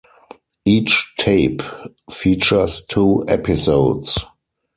Each tape features two episodes.